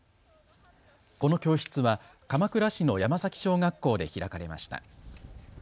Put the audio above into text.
この教室は鎌倉市の山崎小学校で開かれました。